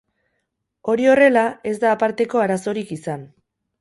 Hori horrela, ez da aparteko arazorik izan.